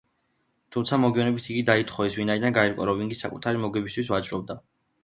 თუმცა, მოგვიანებით იგი დაითხოვეს, ვინაიდან გაირკვა, რომ იგი საკუთარი მოგებისთვის ვაჭრობდა.